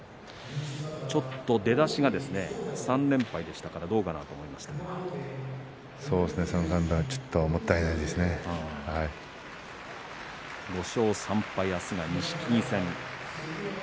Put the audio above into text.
ちょっと出だしが３連敗でしたから、どうかなそうですね５勝３敗です。